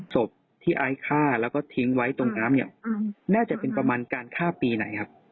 ศพที่ไอซ์ฆ่าแล้วก็ทิ้งไว้ตรงน้ำเนี่ยน่าจะเป็นประมาณการฆ่าปีไหนครับ